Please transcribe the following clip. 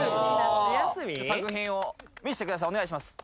作品を見せてくださいお願いします